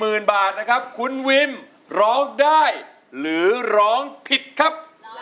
มูลค่า๔๐๐๐๐บาทคุณวินร้องได้หรือร้องผิดครับ